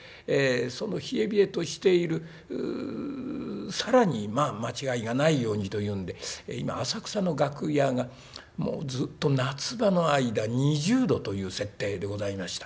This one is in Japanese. その冷え冷えとしている更に間違いがないようにというんで今浅草の楽屋がずっと夏場の間２０度という設定でございました。